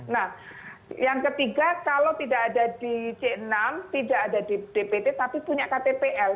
nah yang ketiga kalau tidak ada di c enam tidak ada di dpt tapi punya ktpl